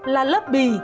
là lớp bì